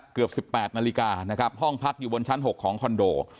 เกือบ๑๘นาฬิกานะครับห้องพักอยู่บนชั้น๖ของคอนโด